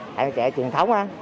tại mà chạy truyền thống á